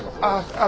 ああ。